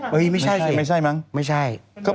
ไม่ใช่นะฮะไม่ใช่มั้งไม่ใช่ไม่ใช่ไม่ใช่